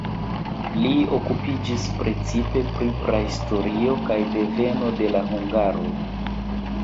Li okupiĝis precipe pri prahistorio kaj deveno de la hungaroj.